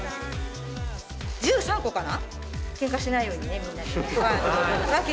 １３個かな。